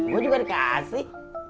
gue juga dikasih